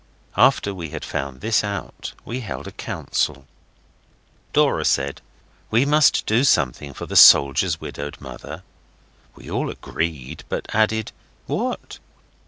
After we had found this out we held a council. Dora said, 'We must do something for the soldier's widowed mother.' We all agreed, but added 'What?